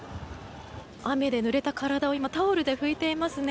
雨でぬれた体を今、タオルで拭いていますね。